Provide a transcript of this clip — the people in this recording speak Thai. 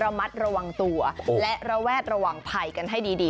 ระมัดระวังตัวและระแวดระวังภัยกันให้ดี